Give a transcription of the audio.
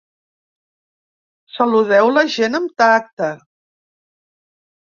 Saludeu la gent amb tacte.